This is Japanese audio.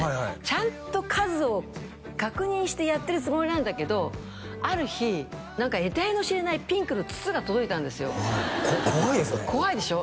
ちゃんと数を確認してやってるつもりなんだけどある日何かえたいの知れないピンクの筒が届いたんですよ怖いですね怖いでしょ？